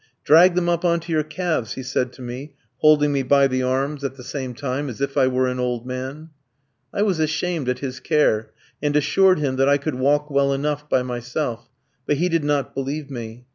"Drag them up on to your calves," he said to me, holding me by the arms at the same time, as if I were an old man. I was ashamed at his care, and assured him that I could walk well enough by myself, but he did not believe me.